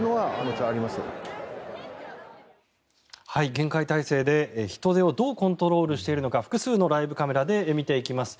厳戒態勢で人出をどうコントロールしているのか複数のライブカメラで見ていきます。